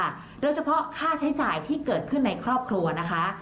โดยเฉพาะค่าใช้จ่ายที่เกิดขึ้นในครอบครัวนะคะ